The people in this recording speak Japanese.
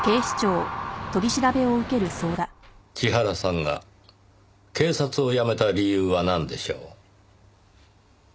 千原さんが警察を辞めた理由はなんでしょう？